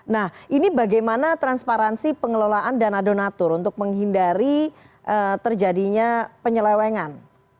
nah ini bagaimana transparansi pengelolaan dana donatur untuk menghindari terjadinya penyelewengan